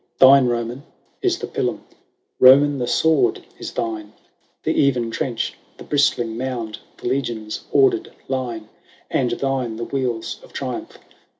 ^) XXI. " Thine, Roman, is the pilum: Koman, the sword is thine, '^ The even trench, the bristling mound, The legion's ordered line ; And thine the wheels of t riumph.